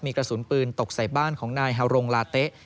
มีกระสุนปืนตกใส่บ้านของนายฮารงลาเต๊ะ